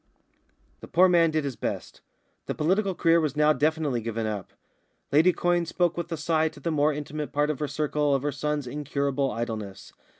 The poor man did his best. The political career was now definitely given up. Lady Quyne spoke with a sigh to the more intimate part of her circle of her son's incurable idleness.